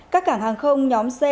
các cảng hàng không nhóm c